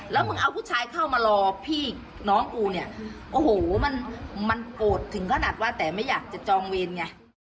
แล้วมึงเอาผู้ชายเข้ามารอพี่น้องกูเนี่ยโอ้โหมันมันโกรธถึงขนาดว่าแต่ไม่อยากจะจองเวรไง